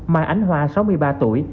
mai ánh hòa sáu mươi ba tuổi